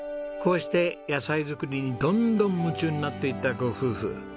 こうして野菜作りにどんどん夢中になっていったご夫婦。